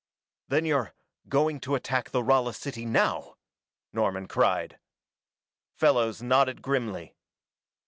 "Then you're, going to attack the Rala city now?" Norman cried. Fellows nodded grimly.